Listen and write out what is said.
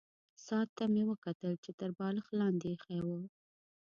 ساعت ته مې وکتل چې مې تر بالښت لاندې ایښی وو.